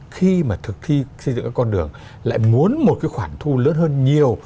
khi mà thực thi xây dựng cái con đường lại muốn một cái khoản thu lớn hơn nhiều